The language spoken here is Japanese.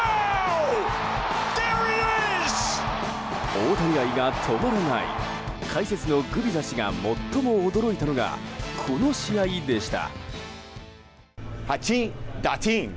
大谷愛が止まらない解説のグビザ氏が最も驚いたのがこの試合でした。